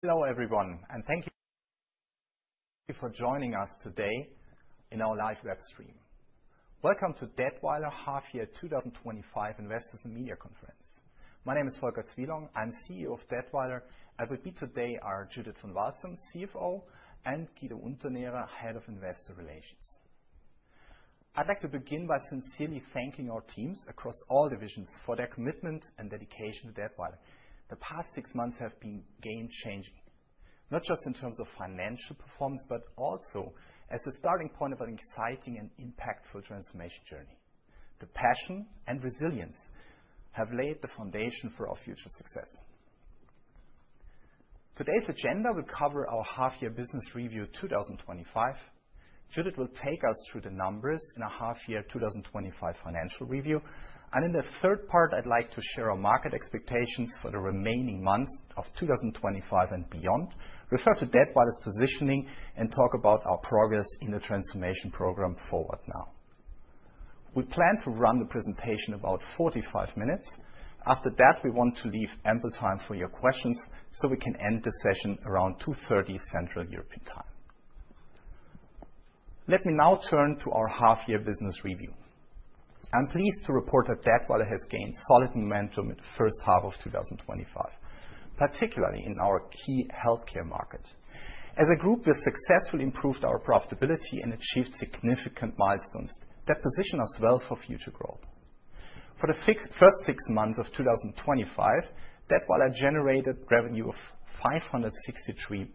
Hello, everyone, and thank you for joining us today in our live web stream. Welcome to Dettweiler Half Year twenty twenty five Investors and Media Conference. My name is Volker Zvihlung. I'm CEO of Dettweiler. And with me today are Judith van Walsem, CFO and Guido Unterneira, Head of Investor Relations. I'd like to begin by sincerely thanking our teams across all divisions for their commitment and dedication to Dettwald. The past six months have been game changing, not just in terms of financial performance, but also as a starting point of an exciting and impactful transformation journey. The passion and resilience have laid the foundation for our future success. Today's agenda will cover our half year business review 2025. Judith will take us through the numbers in half year 2025 financial review. And in the third part, I'd like to share our market expectations for the remaining months of 2025 and beyond, refer to debt by this positioning and talk about our progress in the transformation program forward now. We plan to run the presentation about forty five minutes. After that, we want to leave ample time for your questions, so we can end the session around 02:30 Central European Time. Let me now turn to our half year business review. I'm pleased to report that DAPWELL has gained solid momentum in the first half of twenty twenty five, particularly in our key health care markets. As a group, we have successfully improved our profitability and achieved significant milestones that position us well for future growth. For the first six months of twenty twenty five, Dettwiler generated revenue of $563,000,000.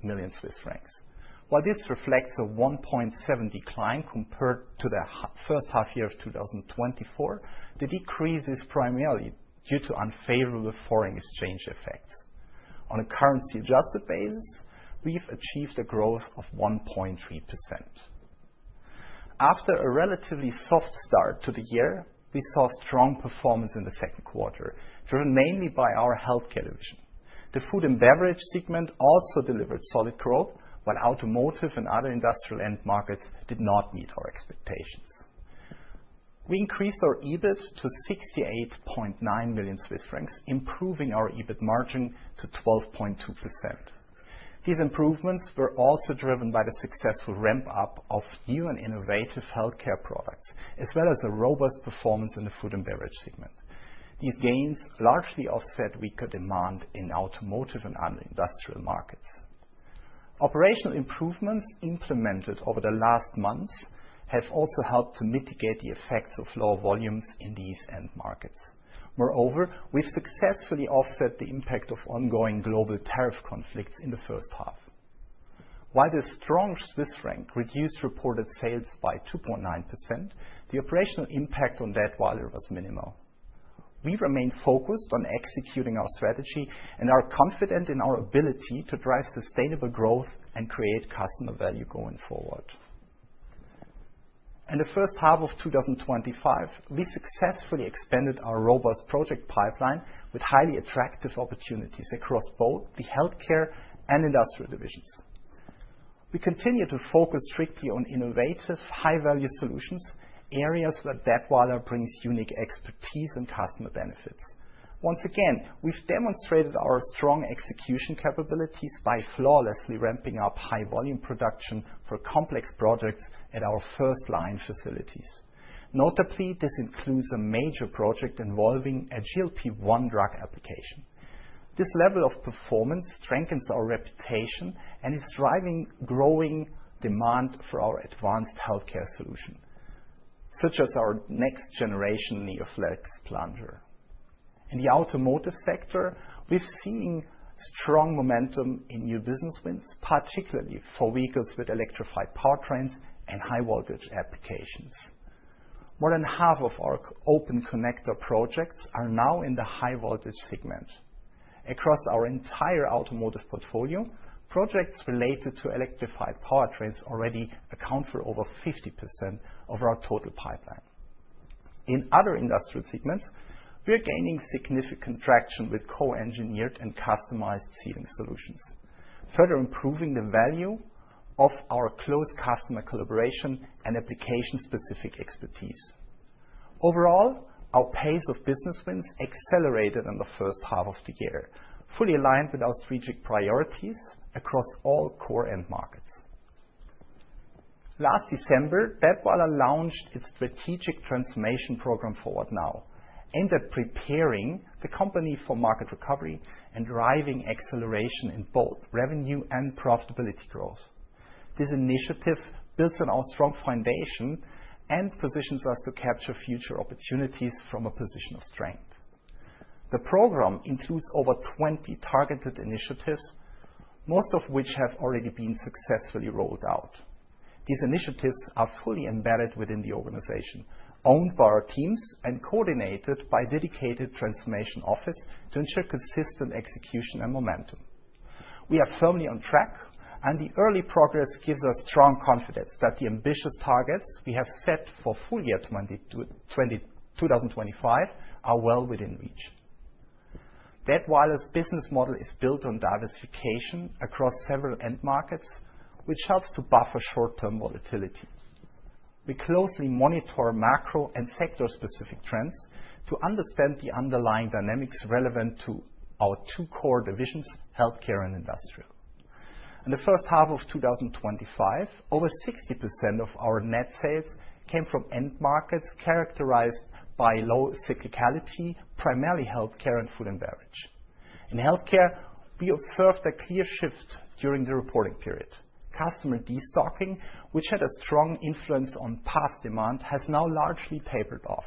While this reflects a 1.7% decline compared to the first half year of 2024, the decrease is primarily due to unfavorable foreign exchange effects. On a currency adjusted basis, we've achieved a growth of 1.3%. After a relatively soft start to the year, we saw strong performance in the second quarter, driven mainly by our Healthcare division. The Food and Beverage segment also delivered solid growth, while automotive and other industrial end markets did not meet our expectations. We increased our EBIT to 68,900,000.0 Swiss francs, improving our EBIT margin to 12 These improvements were also driven by the successful ramp up of new and innovative health care products as well as a robust performance in the food and beverage segment. These gains largely offset weaker demand automotive and industrial markets. Operational improvements implemented over the last months have also helped to mitigate the effects of lower volumes in these end markets. Moreover, we've successfully offset the impact of ongoing global tariff conflicts in the first half. While the strong Swiss franc reduced reported sales by 2.9%, the operational impact on that volume was minimal. We remain focused on executing our strategy and are confident in our ability to drive sustainable growth and create customer value going forward. In the first half of twenty twenty five, we successfully expanded our robust project pipeline with highly attractive opportunities across both the Healthcare and Industrial divisions. We continue to focus strictly on innovative high value solutions, areas where that wallet brings unique expertise and customer benefits. Once again, we've demonstrated our strong execution capabilities by flawlessly ramping up high volume production for complex projects at our first line facilities. Notably, this includes a major project involving a GLP-one drug application. This level of performance strengthens our reputation and is driving growing demand for our advanced health care solution, such as our next generation NeoFlex plunger. In the automotive sector, we're seeing strong momentum in new business wins, particularly for vehicles with electrified powertrains and high voltage applications. More than half of our open connector projects are now in the high voltage segment. Across our entire automotive portfolio, projects related to electrified trains already account for over 50% of our total pipeline. In other industrial segments, we are gaining significant traction with co engineered and customized sealing solutions, further improving the value of our close customer collaboration and application specific expertise. Overall, our pace of business wins accelerated in the first half of the year, fully aligned with our strategic priorities across all core end markets. Last December, BepWalla launched its strategic transformation program, Forward Now, aimed at preparing the company for market recovery and driving acceleration in both revenue and profitability growth. This initiative builds on our strong foundation and positions us to capture future opportunities from a position of strength. Program includes over 20 targeted initiatives, most of which have already been successfully rolled out. These initiatives are fully embedded within the organization, owned by our teams and and coordinated by dedicated transformation office to ensure consistent execution and momentum. We are firmly on track and the early progress gives us strong confidence that the ambitious targets we have set for full year 2025 are well within reach. That wireless business model is built on diversification across several end markets, which helps to buffer short term volatility. We closely monitor macro and sector specific trends to understand the underlying dynamics relevant to our two core divisions, Healthcare and Industrial. In the first half of twenty twenty five, over 60% of our net sales came from end markets characterized by low cyclicality, primarily health care and food and beverage. In health care, we observed a clear shift during the reporting period. Customer de stocking, which had a strong influence on past demand, has now largely tapered off.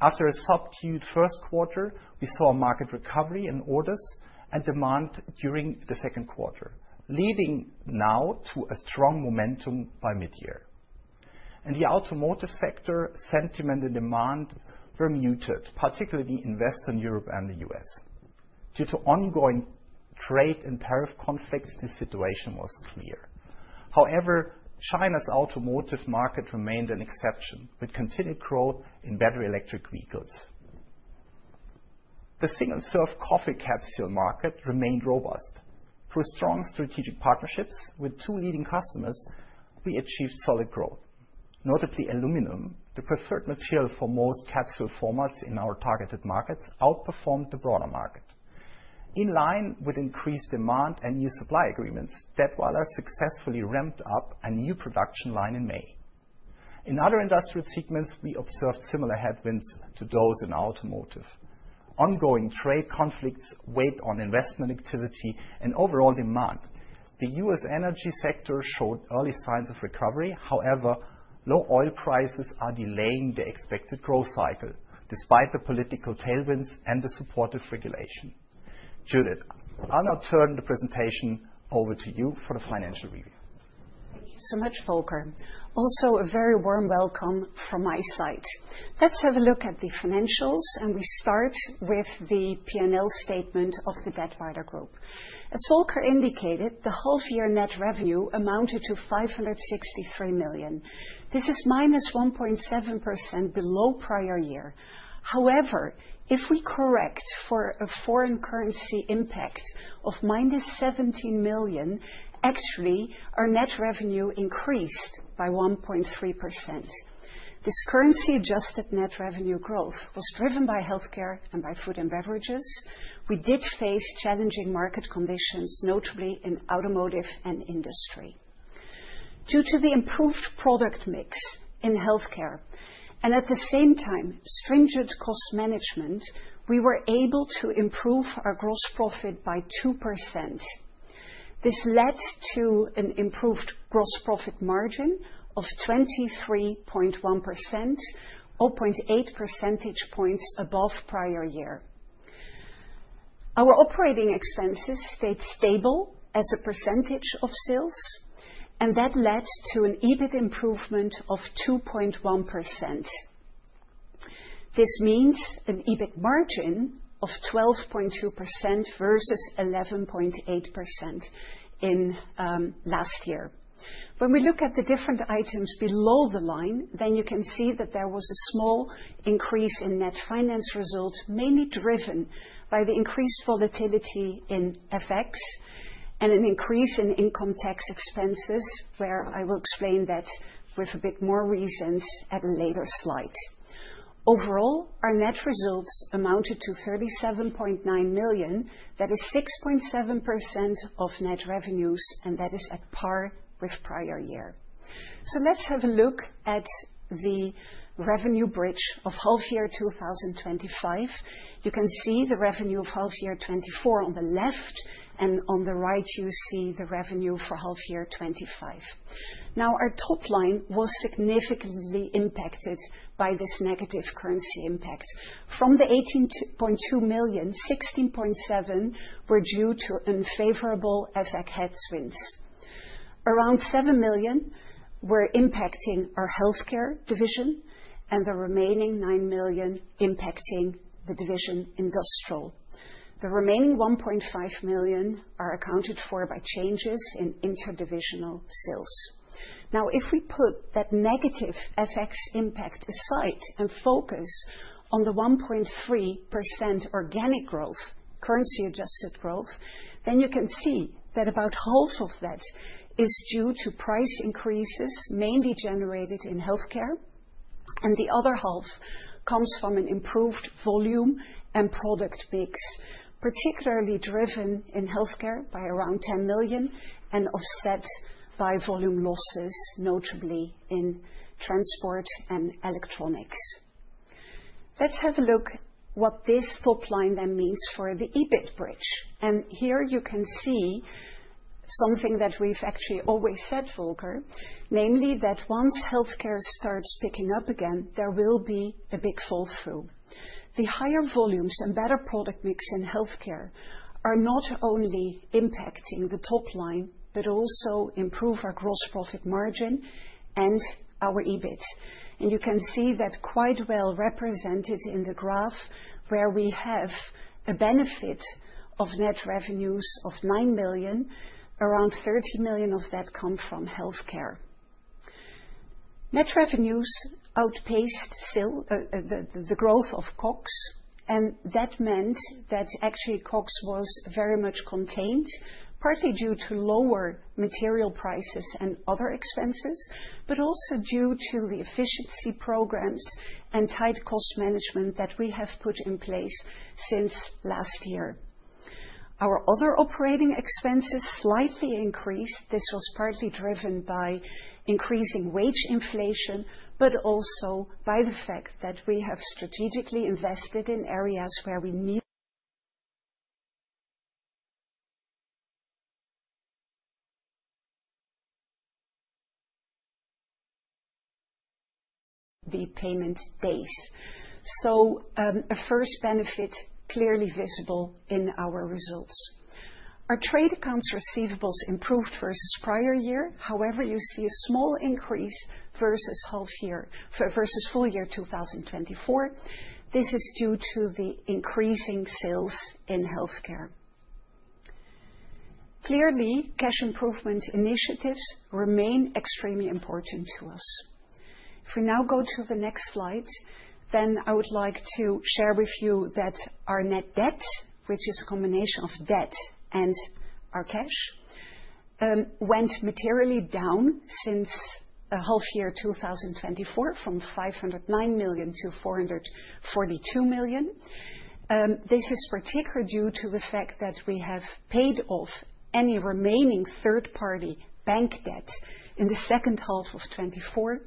After a subdued first quarter, we saw a market recovery in orders and demand during the second quarter, leading now to a strong momentum by midyear. In the automotive sector, sentiment and demand were muted, particularly in Western Europe and The U. S. Due to ongoing trade and tariff conflicts, this situation was clear. However, China's automotive market remained an exception with continued growth in battery electric vehicles. The single serve coffee capsule market remained robust Through strong strategic partnerships with two leading customers, we achieved solid growth. Notably, aluminum, the preferred material for most capsule formats in our targeted markets, outperformed the broader market. In line with increased demand and new supply agreements that while successfully ramped up a new production line in May. In other industrial segments, we observed similar headwinds to those in automotive. Ongoing trade conflicts weighed on investment activity and overall demand. The U. S. Energy sector showed early signs of recovery. However, low oil prices are delaying expected growth cycle despite the political tailwinds and the supportive regulation. Judith, I'll now turn the presentation over to you for the financial review. Thank you so much, Volker. Also a very warm welcome from my side. Let's have a look at the financials, and we start with the P and L statement of the DebtRider Group. As Volker indicated, the half year net revenue amounted to DKK €563,000,000 This is minus 1.7% below prior year. However, if we correct for a foreign currency impact of minus €17,000,000 actually, our net revenue increased by 1.3%. This currency adjusted net revenue growth was driven by Healthcare and by Food and Beverages. We did face challenging market conditions, notably in Automotive Industry. Due to the improved product mix in Healthcare and at the same time, stringent cost management, we were able to improve our gross profit by 2%. This led to an improved gross profit margin of 23.1%, 0.8 percentage points above prior year. Our operating expenses stayed stable as a percentage of sales, and that led to an EBIT improvement of 2.1. This means an EBIT margin of 12.2% versus 11.8% in last year. When we look at the different items below the line, then you can see that there was a small increase in net finance results, mainly driven by the increased volatility in FX and an increase income tax expenses, where I will explain that with a bit more reasons at a later slide. Overall, our net results amounted to €37,900,000 that is 6.7% of revenues, and that is at par with prior year. So let's have a look at the revenue bridge of half year twenty twenty five. You can see the revenue of half year 'twenty four on the left, and on the right, you see the revenue for half year twenty twenty five. Now our top line was significantly impacted by this negative currency impact. From the €18,200,000 €16,700,000 were due to unfavorable FX headwinds. Around €7,000,000 were impacting our Healthcare division and the remaining €9,000,000 impacting the division Industrial. The remaining €1,500,000 are accounted for by changes in interdivisional sales. Now if we put that negative FX impact aside and focus on the 1.3% organic growth, currency adjusted growth, then you can see that about half of that is due to price increases mainly generated in Healthcare, and the other half comes from an improved volume and product mix, particularly driven in Healthcare by around €10,000,000 and offset by volume losses, notably in Transport and Electronics. Let's have a look what this top line then means for the EBIT bridge. And here, you can see something that we've actually always said, Volker, namely that once Healthcare starts picking up again, there will be a big fall through. The higher volumes and better product mix in Healthcare are not only impacting the top line but also improve our gross profit margin and our EBIT. And you can see that quite well represented in the graph where we have a benefit of net revenues of €9,000,000 Around €30,000,000 of that come from Healthcare. Net revenues outpaced the growth of COGS, and that meant that actually COGS was very much contained, partly due to lower material prices and other expenses, but also due to the efficiency programs management that we have put in place since last year. Our other operating expenses slightly increased. This was partly driven by increasing wage inflation but also by the fact that we have strategically invested in areas where we need the payment base. So a first benefit clearly visible in our results. Our trade accounts receivables improved versus prior year. However, you see a small increase versus full year 2024. This is due to the increasing sales in Healthcare. Clearly, cash improvement initiatives remain extremely important to us. If we now go to the next slide, then I would like to share with you that our net debt, which is a combination of debt and our cash, went materially down since half year twenty twenty four from $5.00 €9,000,000 to €442,000,000 This is particularly due to the fact that we have paid off any remaining third party bank debt in the '4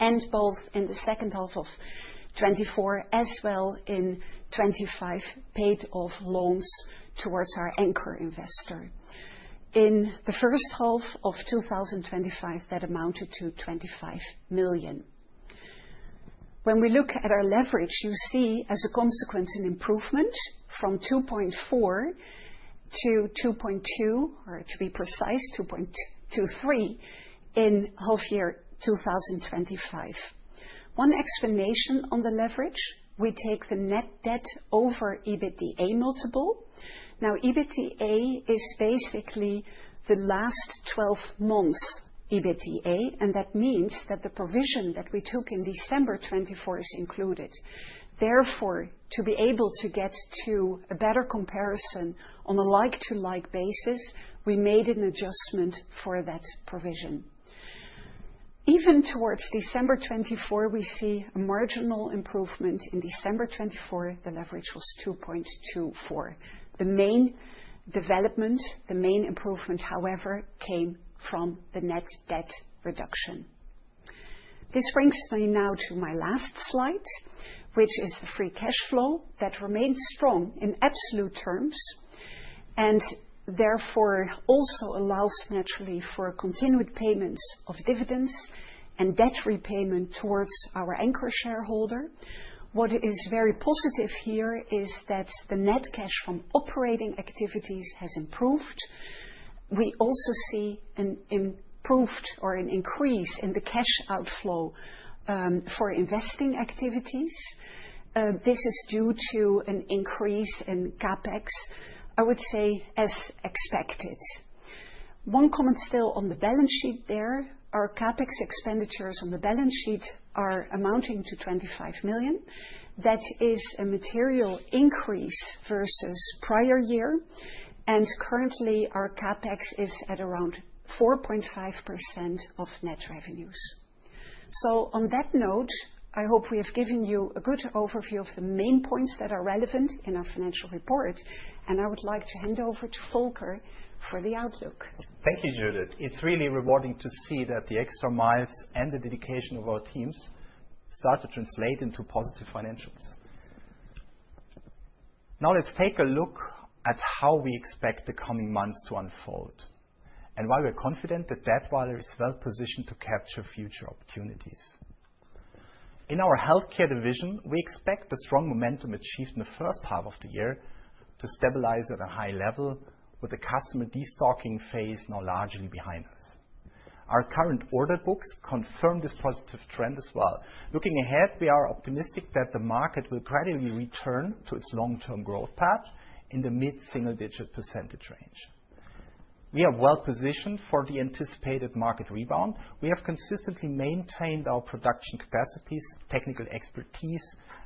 and both in the '4 as well in 'twenty five paid off loans towards our anchor investor. In the first half of twenty twenty five, that amounted to €25,000,000 When we look at our leverage, you see as a consequence an improvement from 2.4 to 2.2, or to be precise, point two three in half year twenty twenty five. One explanation on the leverage, we take the net debt over EBITDA multiple. Now EBITDA is basically the last twelve months EBITDA, and that means that the provision that we took in December 20 Therefore, to be able to get to a better comparison on a like to like basis, we made an adjustment for that provision. Even towards December 24, we see a marginal improvement. In December '4, the leverage was 2.24. The main development, the main improvement, however, came from the net debt reduction. This brings me now to my last slide, which is the free cash flow that remains strong in absolute terms and therefore also allows naturally for continued payments of dividends and debt repayment towards our anchor shareholder. What is very positive here is that the net cash from operating activities has improved. We also see an improved or an increase in the cash outflow for investing activities. This is due to an increase in CapEx, I would say, as expected. One comment still on the balance sheet there. Our CapEx expenditures on the balance sheet are amounting to €25,000,000 That is a material increase versus prior year. And currently, our CapEx is at around 4.5% of net revenues. So on that note, I hope we have given you a good overview of the main points that are relevant in our financial report. And I would like to hand over to Volker for the outlook. Thank you, Judith. It's really rewarding to see that the extra miles and the dedication of our teams start to translate into positive financials. Now let's take a look at how we expect the coming months to unfold. And why we're confident that Dettweiler is well positioned to capture future opportunities. In our Healthcare division, we expect the strong momentum achieved in the first half of the year to stabilize at a high level with the customer destocking phase now largely behind us. Our current order books confirm this positive trend as well. Looking ahead, we are optimistic that the market will gradually return to its long term growth path in the mid single digit percentage range. We are well positioned for the anticipated market rebound. We have consistently maintained our production capacities, technical expertise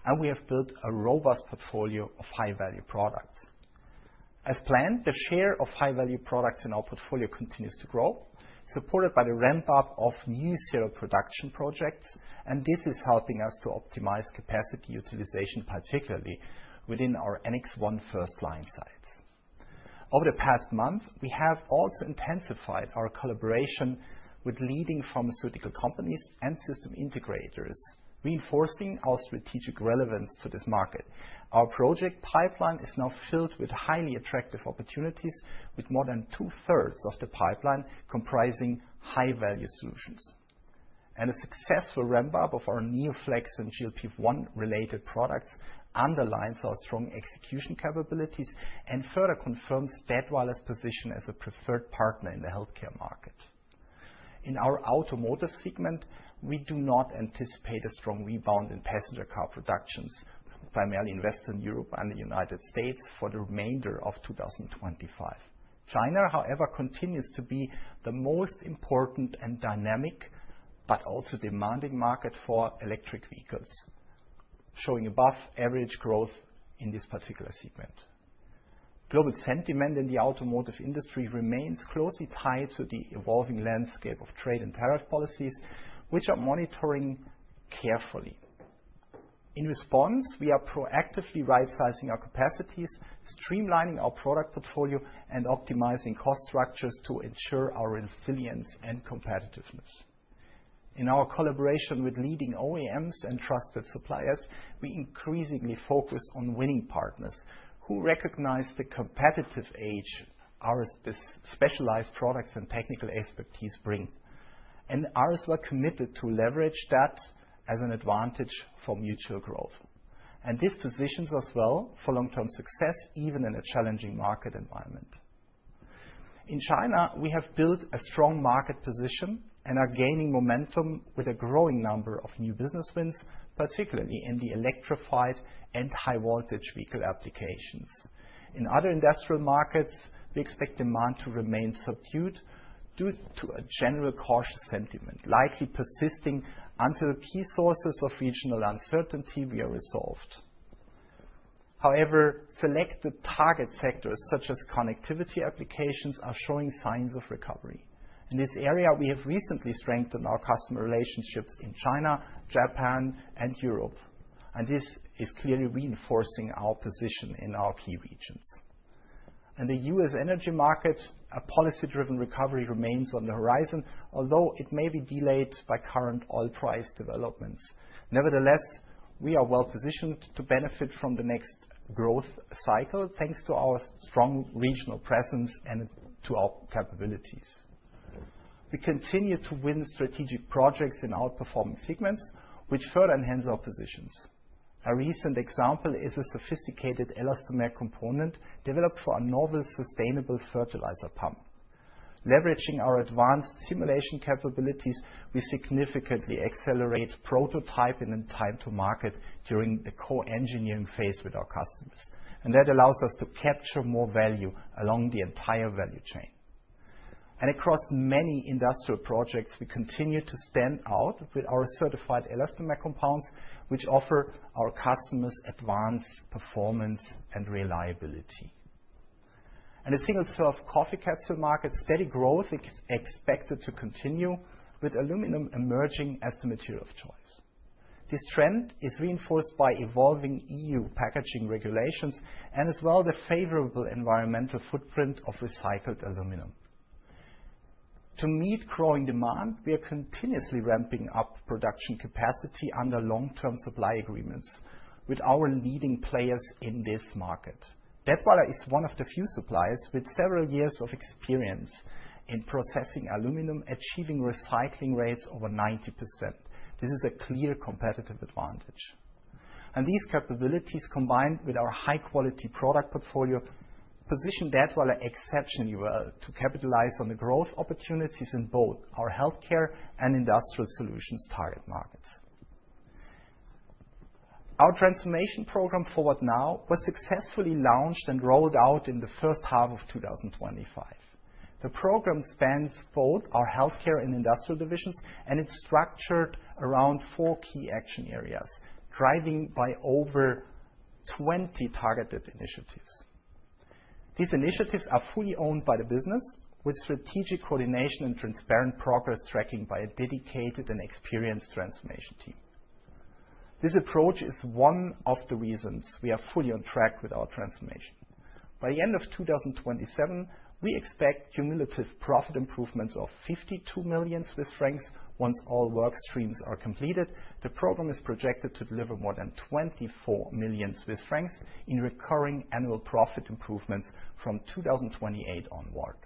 and we have built a robust portfolio of high value products. As planned, the share of high value products in our portfolio continues to grow, supported by the ramp up of new serial production projects, and this is helping us to optimize capacity utilization, particularly within our NX1 first line sites. Over the past month, we have also intensified our collaboration with leading pharmaceutical companies and system integrators, reinforcing our strategic relevance to this market. Our project pipeline is now filled with highly attractive opportunities with more than twothree of the pipeline comprising high value solutions. And a successful ramp up of our NeoFLEX and GLP-one related products underlines our strong execution capabilities and further confirms Spatwireless position as a preferred partner in the health care market. In our automotive segment, we do not anticipate a strong rebound in passenger car productions, primarily in Western Europe United States for the remainder of 2025. China, however, continues to be the most important and dynamic but also demanding market for electric vehicles, showing above average growth in this particular segment. Global sentiment in the automotive industry remains closely tied to the evolving landscape of trade and tariff policies, which are monitoring carefully. In response, we are proactively rightsizing our capacities, streamlining our product portfolio and optimizing cost structures to ensure our resilience and competitiveness. In our collaboration with leading OEMs and trusted suppliers, we increasingly focus on winning partners who recognize competitive age our specialized products and technical expertise bring. And ours were committed to leverage that as an advantage for mutual growth. And this positions us well for long term success even in a challenging market environment. In China, we have built a strong market position and are gaining momentum with a growing number of new business wins, particularly in the electrified and high voltage vehicle applications. In other industrial markets, we expect demand to remain subdued due to a general cautious sentiment likely persisting until key sources of regional uncertainty will be resolved. However, selected target sectors such as connectivity applications are showing signs of recovery. In this area, we have recently strengthened our customer relationships in China, Japan and Europe, And this is clearly reinforcing our position in our key regions. In The U. S. Energy markets, a policy driven recovery remains on the horizon, although it may be delayed by current oil price developments. Nevertheless, we are well positioned to benefit from the next growth cycle, thanks to our strong regional presence and to our capabilities. We continue projects in outperforming segments, which further enhance our positions. A recent example is a sophisticated elastomer component developed for a novel sustainable fertilizer pump. Leveraging our advanced simulation capabilities, we significantly accelerate prototyping and time to market during the co engineering phase with our customers. And that allows us to capture more value along the entire value chain. And across many industrial projects, we continue to stand out with our certified elastomer compounds, which offer our customers advanced performance and reliability. In the single serve coffee capsule market, steady growth is expected to continue with aluminum emerging as the material of choice. This trend is reinforced by evolving EU packaging regulations and as well the favorable environmental footprint of recycled aluminum. To meet growing demand, we are continuously ramping up production capacity under long term supply agreements with our leading players in this market. Dettbauer is one of the few suppliers with several years of experience in processing aluminum, achieving recycling rates over 90%. This is a clear competitive advantage. And these capabilities, combined with our high quality product portfolio, position Dettwiler exceptionally well to capitalize on the growth opportunities in both our Healthcare and Industrial Solutions target markets. Our transformation program, ForwardNow, was successfully launched and rolled out in the first half of twenty twenty five. The program spans both our Healthcare and Industrial divisions and it's structured around four key action areas, driving by over 20 targeted initiatives. These initiatives are fully owned by the business with strategic coordination and transparent progress tracking by a dedicated and experienced transformation team. This approach is one of the reasons we are fully on track with our transformation. By the end of twenty twenty seven, we expect cumulative profit improvements of 52 million Swiss francs once all work streams are completed. The program is projected to deliver more than 24 million Swiss francs in recurring annual profit improvements from 2028 onward.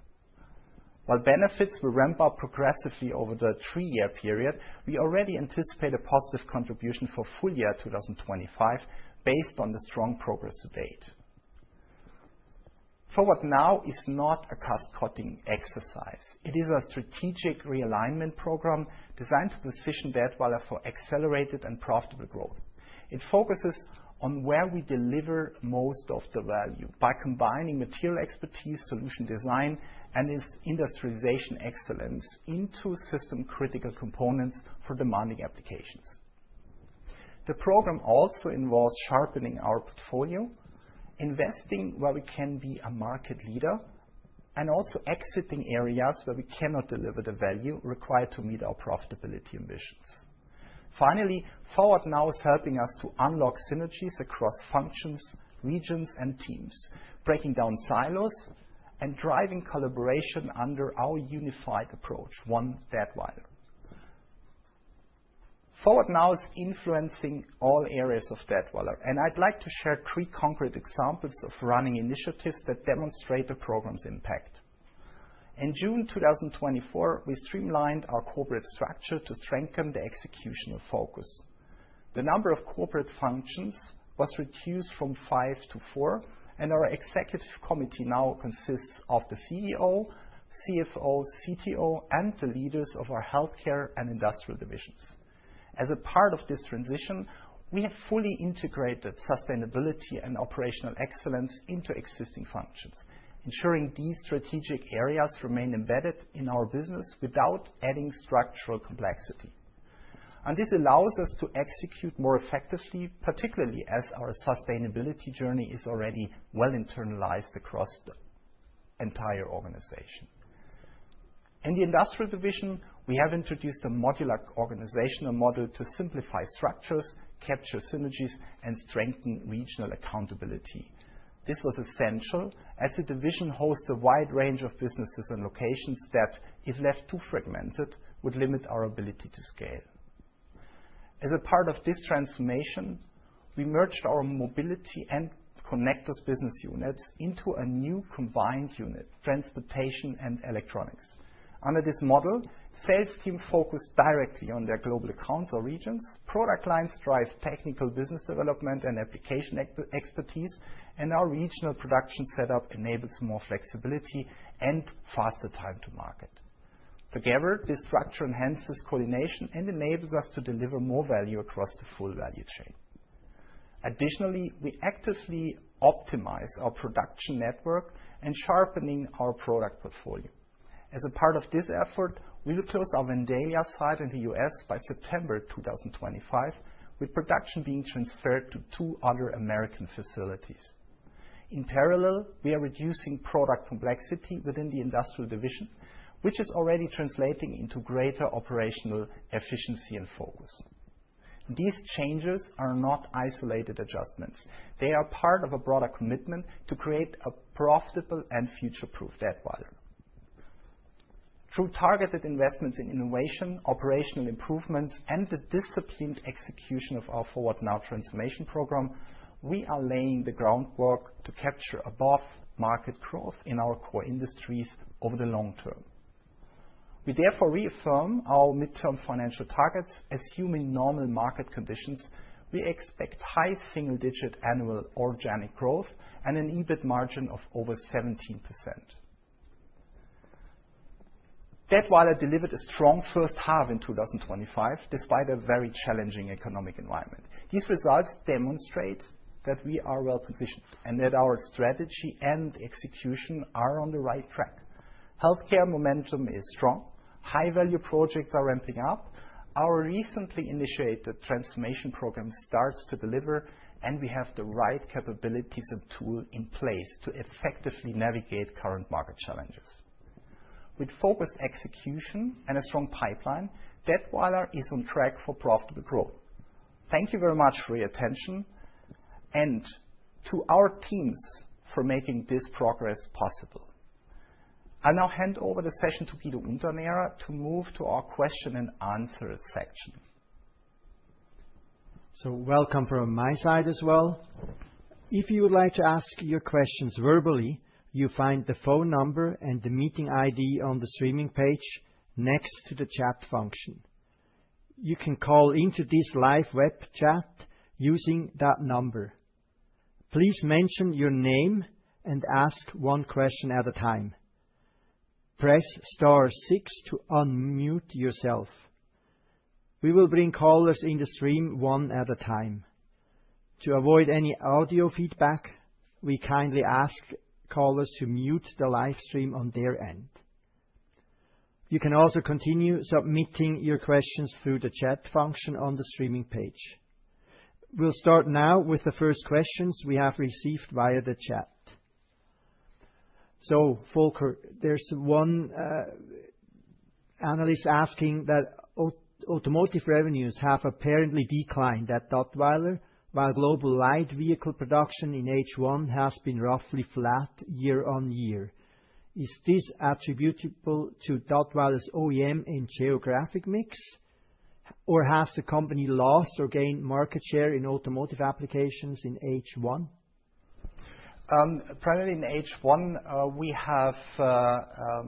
While benefits will ramp up progressively over the three year period, we already anticipate a positive contribution for full year 2025 based on the strong progress to date. Forward Now is not a cost cutting exercise. It is a strategic realignment program designed to position Dettwiler for accelerated and profitable growth. It focuses on where we deliver most of the value by combining material expertise, solution design and industrialization excellence into system critical components for demanding applications. The program also involves sharpening our portfolio, investing where we can be a market leader and also exiting areas where we cannot deliver the value required to meet our profitability ambitions. Finally, Forward Now is helping us to unlock synergies across functions, regions and teams, breaking down silos and driving collaboration under our unified approach, One Dettweiler. Forward Now is influencing all areas of Dettweiler, and I'd like to share three concrete examples of running initiatives that demonstrate the program's impact. In June 2024, we streamlined our corporate structure to strengthen the execution of focus. The number of corporate functions was reduced from five to four, and our Executive Committee now consists of the CEO, CFO, CTO and the leaders of our Healthcare and Industrial divisions. As a part of this transition, we have fully integrated sustainability and operational excellence into existing functions, ensuring these strategic areas remain embedded in our business without adding structural complexity. And this allows us to execute more effectively, particularly as our sustainability journey is already well internalized across the entire organization. In the Industrial Division, we have introduced a modular organizational model to simplify structures, capture synergies and strengthen regional accountability. This was essential as the division hosts a wide range of businesses and locations that if left too fragmented would limit our ability to scale. As a part of this transformation, we merged our mobility and connectors business units into a new combined unit, transportation and electronics. Under this model, sales team focused directly on their global accounts or regions, product lines drive technical business development and application expertise and our regional production setup enables more flexibility and faster time to market. Together, this structure enhances coordination and enables us to deliver more value across the full value chain. Additionally, we actively optimize our production network and sharpening our product portfolio. As a part of this effort, we will close our Vandalia site in The U. S. By September 2025 with production being transferred to two other American facilities. In parallel, we are reducing product complexity within the Industrial Division, which is already translating into greater operational efficiency and focus. These changes are not isolated adjustments. They are part of a broader commitment to create a profitable and future proof debt model. Through targeted investments in innovation, operational improvements and execution of our Forward Now transformation program, we are laying the groundwork to capture above market growth in our core industries over the long term. We therefore reaffirm our midterm financial targets. Assuming normal market conditions, we expect high single digit annual organic growth and an EBIT margin of over 17%. DETWALL delivered a strong first half in 2025 despite a very challenging economic environment. These results demonstrate that we are well positioned and that our strategy and execution are on the right track. Healthcare momentum is strong. High value projects are ramping recently initiated transformation program starts to deliver, and we have the right capabilities and tool in place to effectively navigate current market challenges. With focused execution and a strong pipeline, Dettweiler is on track for profitable growth. Thank you very much for your attention and to our teams for making this progress possible. I now hand over the session to Peter Winterner to move to our question and answer section. So welcome from my side as well. If you would like to ask your questions verbally, you find the phone number and the meeting ID on the streaming page next to the chat function. You can call into this live web chat using that number. Please mention your name and ask one question at a time. Press 6 to unmute yourself. We will bring callers in the stream one at a time. To avoid any audio feedback, we kindly ask callers to mute the live stream on their end. You can also continue submitting your questions through the chat function on the streaming page. We'll start now with the first questions we have received via the chat. So Volker, there's one analyst asking that automotive revenues have apparently declined at Dottweiler, while global light vehicle production in H1 has been roughly flat year on year. Is this attributable to Dottweiler's OEM and geographic mix? Or has the company lost or gained market share in automotive applications in H1? Primarily in H1, we have I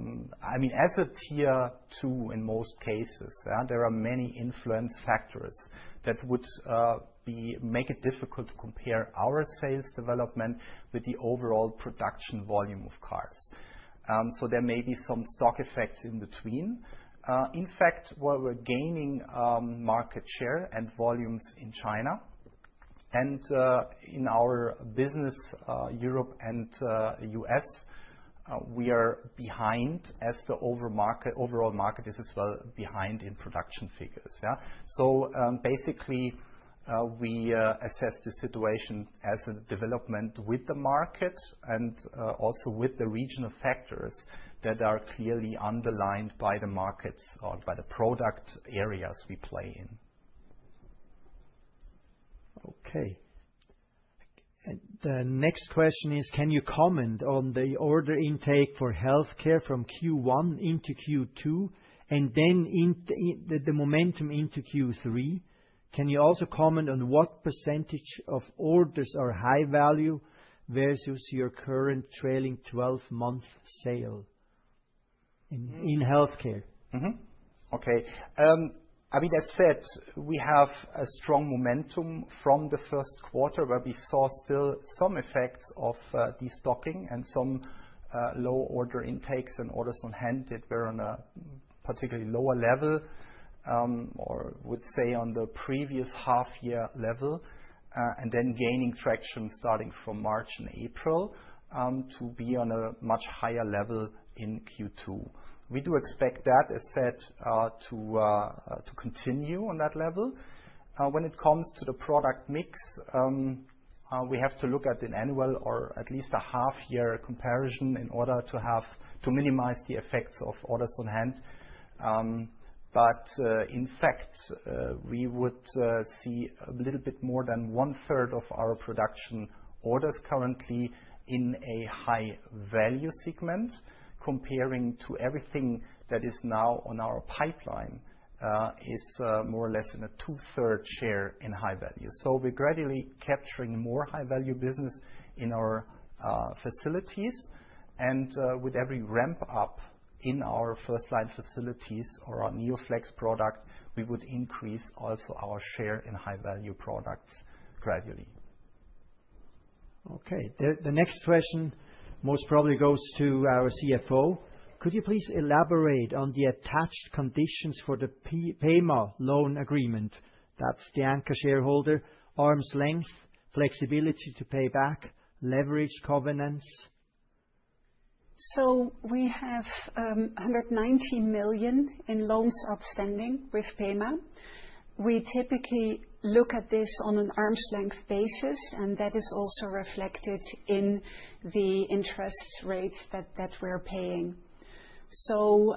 mean, as a Tier two in most cases, yes, there are many influence factors that would be make it difficult to compare our sales development with the overall production volume of cars. So there may be some stock effects in between. In fact, while we're gaining market share and volumes in China. And in our business, Europe and U. S, we are behind as the overall market is as behind in production figures, yes? So basically, we assess the situation as a development with the market and also with the regional factors that are clearly underlined by the markets or by the product areas we play in. Okay. The next question is can you comment on the order intake for Healthcare from Q1 into Q2? And then the momentum into Q3? Can you also comment on what percentage of orders are high value versus your current trailing twelve month sale in Healthcare? Okay. I mean, as said, we have a strong momentum from the first quarter where we saw still some effects of destocking and some low order intakes and orders on hand that were on a particularly lower level, or I would say on the previous half year level and then gaining traction starting from March and April to be on a much higher level in Q2. We do expect that, as said, to continue on that level. When it comes to the product mix, we have to look at an annual or at least a half year comparison in order to have to minimize the effects of orders on hand. But in fact, we would see a little bit more than onethree of our production orders currently in a high value segment comparing to everything that is now on our pipeline is more or less in a two third share in high value. So we're gradually capturing more high value business in our facilities. And with every ramp up in our first line facilities or our NeoFLEX product, we would increase also our share in high value products gradually. Okay. The next question most probably goes to our CFO. Could you please elaborate on the attached conditions for the PAMA loan agreement? That's the ANCA shareholder, arm's length, flexibility to pay back, leverage covenants? So we have €190,000,000 in loans outstanding with Pema. We typically look at this on an arm's length basis, and that is also reflected in the interest rates that we are paying. So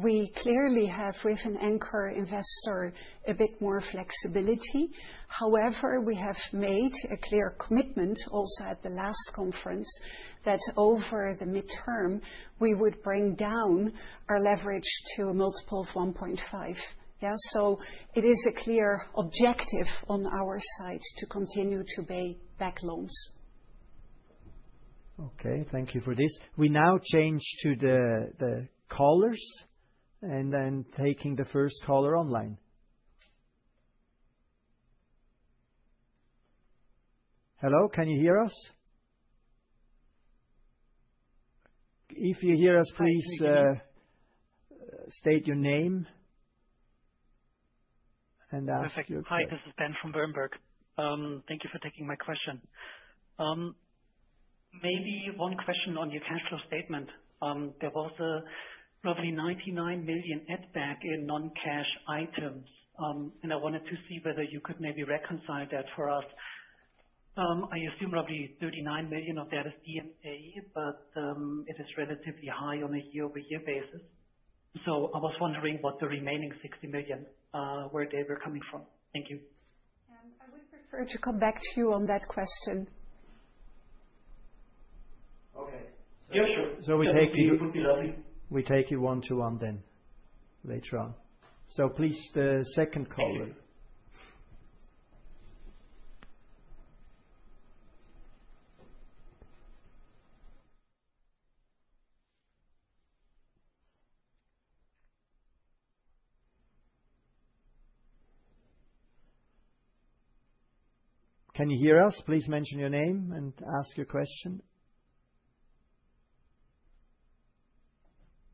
we clearly have, with an anchor investor, a bit more flexibility. However, we have made a clear commitment also conference that over the midterm, we would bring down our leverage to a multiple of 1.5, yes? So it is a clear objective on our side to continue to pay back loans. Okay. Thank you for this. We now change to the callers and then taking the first caller online. Hello? Can you hear us? If you hear us, state your name ask Perfect. You Hi, this is Ben from Berenberg. Thank you for taking my question. Maybe one question on your cash flow statement. There was roughly €99,000,000 add back in noncash items, and I wanted to see whether you could maybe reconcile that for us. I assume roughly €39,000,000 of that is D and A, but it is relatively high on a year over year basis. So I was wondering what the remaining €60,000,000 where they were coming from. I would prefer to come back to you on that question. Yes, sure. So we take you one:one then later on. So please the second caller. Can you hear us? Please mention your name and ask your question.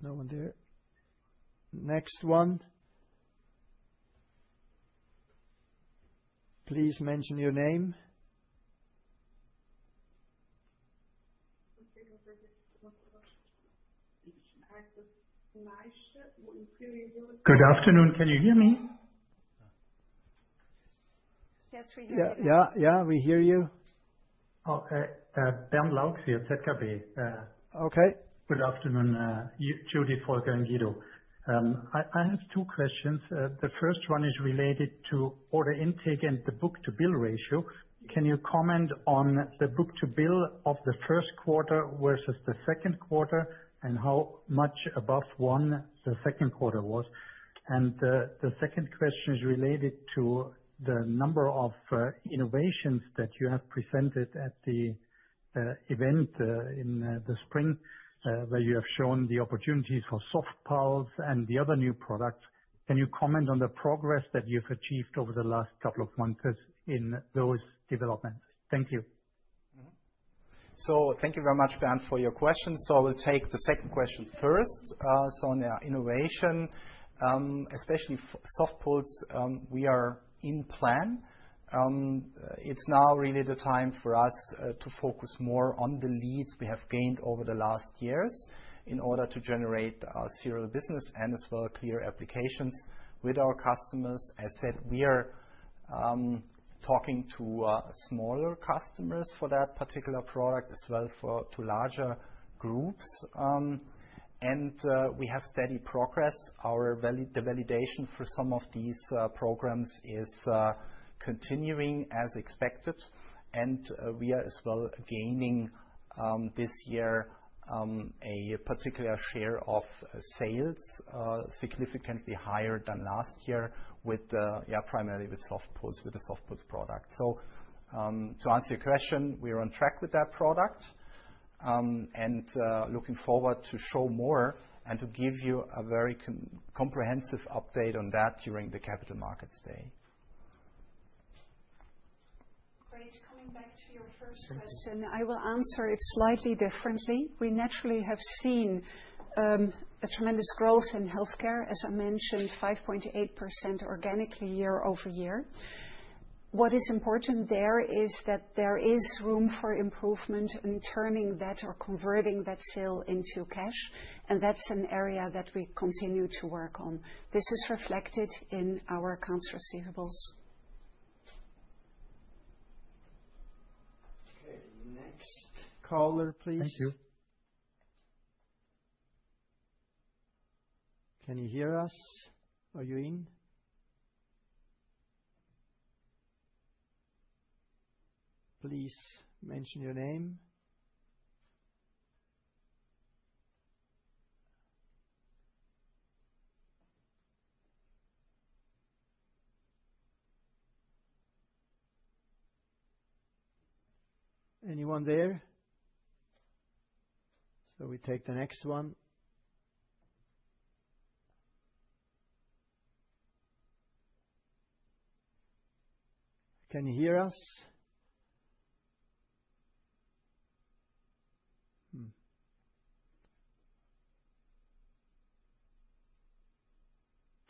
No one there. Next one. Please mention your name. Good afternoon. Can you hear me? Yes. We do hear you. Yeah. Yeah. We hear you. Okay. Dan Lauks here at Zedgarby. Afternoon. Okay. Judy Volker and Guido. I have two questions. The first one is related to order intake and the book to bill ratio. Can you comment on the book to bill of the first quarter versus the second quarter? And how much above one the second quarter was? And the second question is related to the number of innovations that you have presented at the event in the spring, where you have shown the opportunities for soft pulps and the other new products. Can you comment on the progress that you've achieved over the last couple of months in those developments? Thank you. So thank you very much, Bernd, for your questions. So I will take the second question first. So on innovation, especially soft pulls, are in plan. It's now really the time for us to focus more on the leads we have gained over the last years in order to generate our serial business and as well clear applications with our customers. As said, we are talking to smaller customers for that particular product as well to larger groups. And we have steady progress. Our the validation for some of these programs is continuing as expected. And we are as well gaining this year a particular share of sales significantly higher than last year with yes, primarily with soft pulls with the soft pulls product. So to answer your question, we are on track with that product and looking forward to show more and to give you a very comprehensive update on that during the Capital Markets Day. Great. Coming back to your first question, I will answer it slightly differently. We naturally have seen a tremendous growth in Healthcare, as I mentioned, 5.8% organically year over year. What is important there is that there is room for improvement in turning that or converting that sale into cash, and that's an area that we continue to work on. This is reflected in our accounts receivables. Caller, please. Can you hear us? Are you in? Please mention your name. Anyone there? So we take the next one. Can you hear us?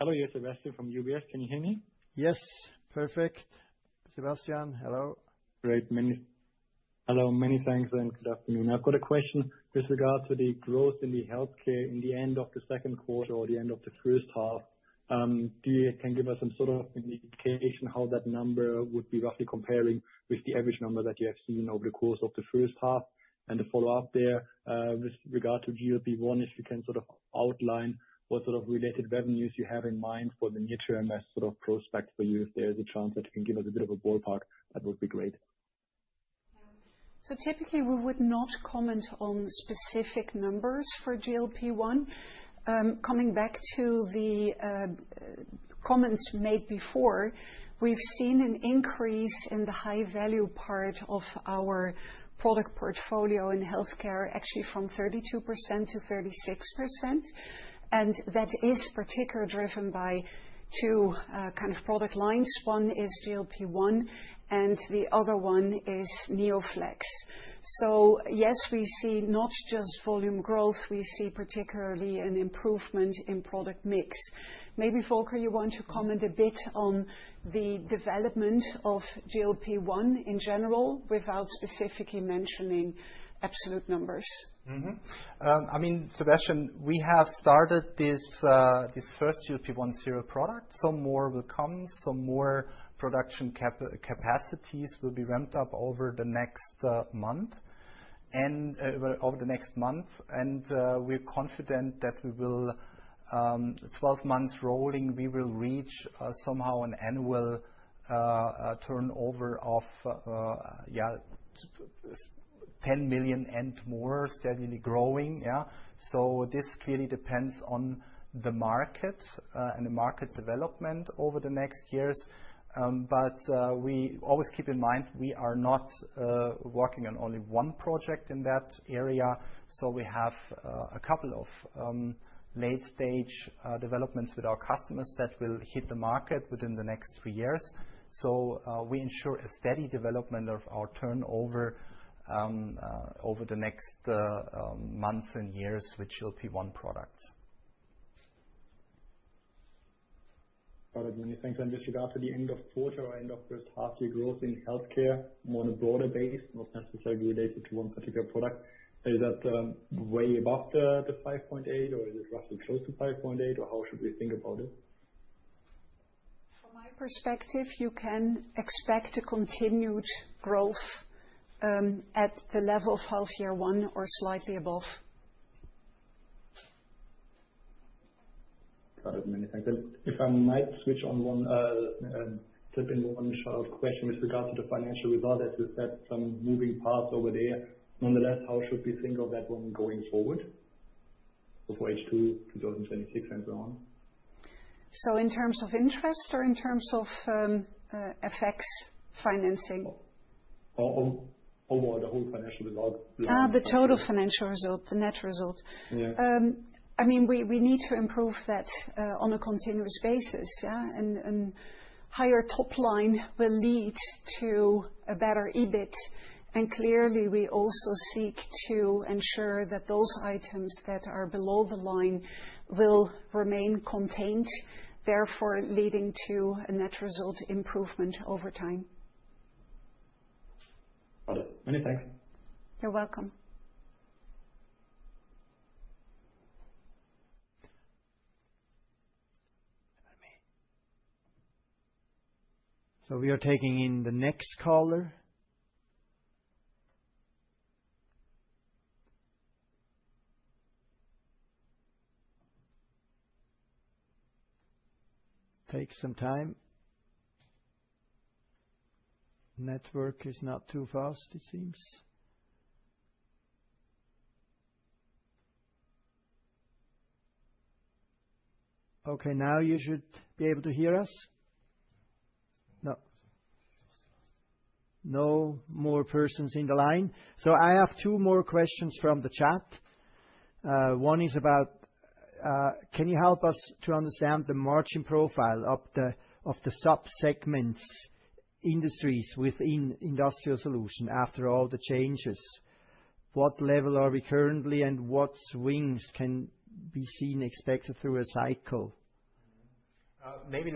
Hello. You're Sebastian from UBS. Can you hear me? Yes. Perfect. Sebastian, hello. Great. Hello. Many thanks and good afternoon. I've got a question with regard to the growth in the Healthcare in the end of the second quarter or the end of the first half. You can give us some sort of indication how that number would be roughly comparing with the average number that you have seen over the course of the first half? And a follow-up there with regard to GLP-one, if you can sort of outline what sort of related revenues you have in mind for the near term sort of prospect for you, if there is a chance that you can give us a bit of a ballpark, that would be great. So typically, we would not comment on specific numbers for GLP-one. Coming back to the comments made before, we've seen an increase in the high value part of our product portfolio in Healthcare actually from 32% to 36%. And that is particularly driven by two kind of product lines. One is GLP-one and the other one is NeoFLEX. So yes, we see not just volume growth, we see particularly an improvement in product mix. Maybe, Volker, you want to comment a bit on the development of GLP One in general without specifically mentioning absolute numbers? I mean, Sebastian, we have started this first GLP-one serial product. Some more will come. Some more production capacities will be ramped up over the next month and over the next month. And we're confident that we will twelve months rolling, we will reach somehow an annual turnover of €10,000,000 and more steadily growing, yes. So this clearly depends on the market and the market development over the next years. But we always keep in mind, we are not working on only one project in that area. So we have a couple of late stage developments with our customers that will hit the market within the next three years. So we ensure a steady development of our turnover over the next months and years, which will be one product. Got it. Many thanks. And with regard to the end of quarter or end of first half year growth in Healthcare, more on a broader base, most necessarily related to one particular product. Is that way above the 5.8%? Or is it roughly close to 5.8 Or how should we think about it? From my perspective, you can expect a continued growth at the level of half year one or slightly above. If I might switch on one question with regard to the financial result, as you said, some moving parts over there. Nonetheless, how should we think of that one going forward for H2 twenty twenty six and so on? So in terms of interest or in terms of FX financing? Overall, the whole financial result. The total financial result, the net result. I mean we need to improve that on a continuous basis, yes? And higher top line will lead to a better EBIT. And clearly, we also seek to ensure that those items that are below the line will remain contained, therefore, leading to a net result improvement over time. Got it. Many thanks. You're welcome. So we are taking in the next caller. Takes some time. Network is not too fast it seems. Okay. Now you should be able to hear us. No more persons in the line. So I have two more questions from the chat. One is about, can you help us to understand the margin profile of the subsegments industries within Industrial Solutions after all the changes? What level are we currently? And what swings can be seen expected through a cycle? Maybe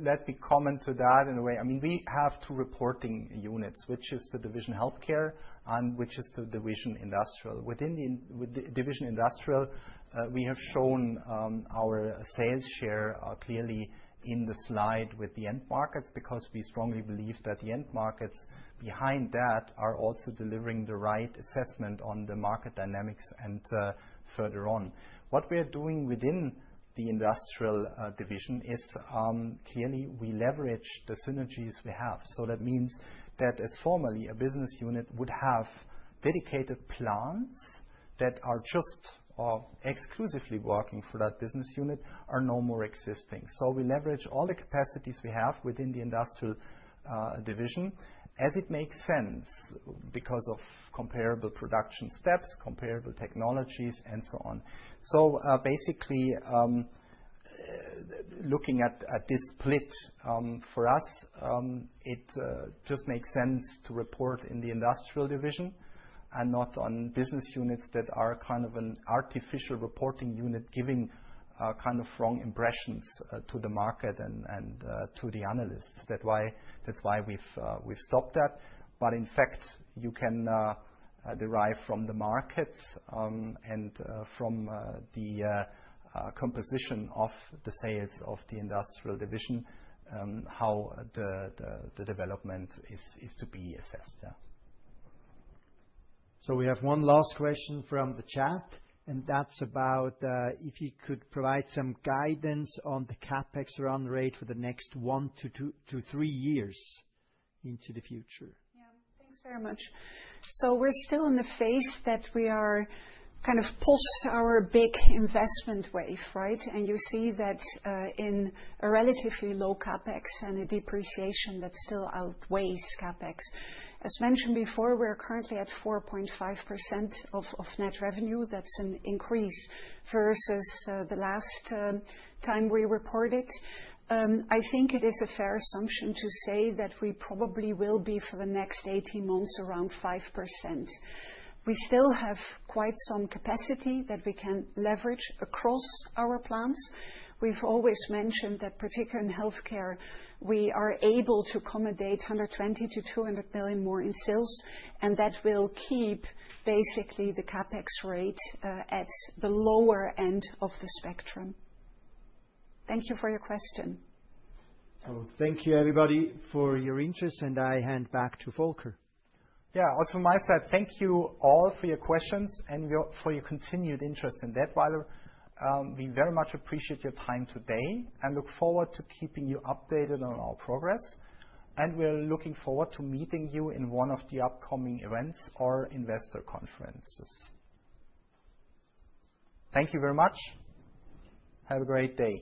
let me comment to that in a way. I mean we have two reporting units, which is the division Healthcare and which is the division Industrial. Within the division Industrial, we have shown our sales share clearly in the slide with the end markets because we strongly believe that the end markets behind that are also delivering the right assessment on the market dynamics and further on. What we are doing within the Industrial division is clearly, we leverage the synergies we have. So that means that as formerly a business unit would have dedicated plants that are just exclusively working for that business unit are no more existing. So we leverage all the capacities we have within the Industrial division as it makes sense because of comparable production steps, comparable technologies and so on. So basically, looking at this split, for us, it just makes sense to report in the Industrial division and not on business units that are kind of an artificial reporting unit giving kind of wrong impressions to the market and to the analysts. That's why we've stopped that. But in fact, you can derive from the markets and from the composition of the sales of the Industrial Division, how the development is to be assessed. So we have one last question from the chat, and that's about if you could provide some guidance on the CapEx run rate for the next one to three years into the future. Yes. Thanks very much. So we're still in the phase that we are kind of post our big investment wave, right? And you see that in a relatively low CapEx and a depreciation that still outweighs CapEx. As mentioned before, we are currently at 4.5% of net revenue. That's an increase versus the last time we reported. I think it is a fair assumption to say that we probably will be for the next eighteen months around 5%. We still have quite some capacity that we can leverage across our plants. We've always mentioned that, particularly in Healthcare, we are able to accommodate 120,000,000 to 200,000,000 more in sales, and that will keep basically CapEx rate at the lower end of the spectrum. Thank you for your question. Thank you, everybody, for your interest. And I hand back to Volker. Yes. Also my side, thank you all for your questions and for your continued interest in that. We very much appreciate your time today and look forward to keeping you updated on our progress. And we are looking forward to meeting you in one of the upcoming events or investor conferences. Thank you very much. Have a great day.